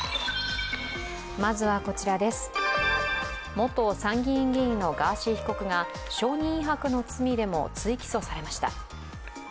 元参議院議員のガーシー被告が証人威迫の罪でも追起訴されました。